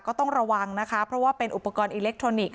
ก็ต้องระวังนะคะเพราะว่าเป็นอุปกรณ์อิเล็กทรอนิกส